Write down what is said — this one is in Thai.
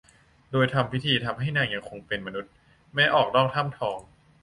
โดยทำพิธีทำให้นางยังคงเป็มมนุษย์แม้ออกนอกถ้ำทอง